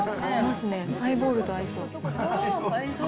ハイボールと合いそう。